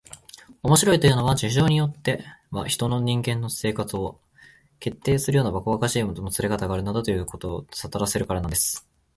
「面白いというのは、事情によっては一人の人間の生活を決定するようなばかばかしいもつれかたがあるものだ、ということをさとらせられるからなんです」